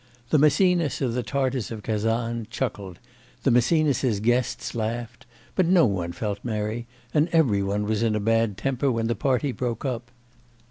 The Maecenas of the Tartars of Kazan chuckled; the Maecenas's guests laughed, but no one felt merry, and every one was in a bad temper when the party broke up.